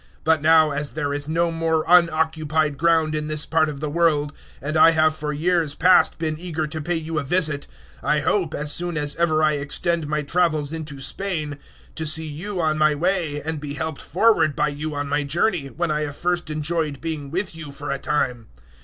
015:023 But now, as there is no more unoccupied ground in this part of the world, and I have for years past been eager to pay you a visit, 015:024 I hope, as soon as ever I extend my travels into Spain, to see you on my way and be helped forward by you on my journey, when I have first enjoyed being with you for a time.